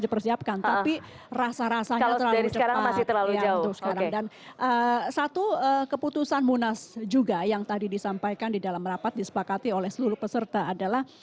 dan satu keputusan munas juga yang tadi disampaikan di dalam rapat disepakati oleh seluruh peserta adalah